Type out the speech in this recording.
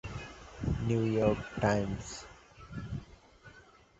New York Times.